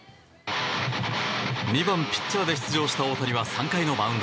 ２番ピッチャーで出場した大谷は３回のマウンド。